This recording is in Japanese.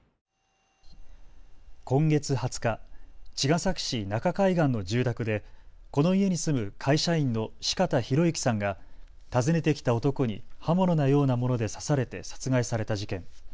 今月２０日、茅ヶ崎市中海岸の住宅でこの家に住む会社員の四方洋行さんが訪ねてきた男に刃物のようなもので刺されて殺害された事件。